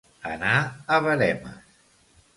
Anar a veremes.